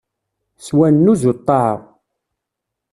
S wannuz, u ṭṭaɛa.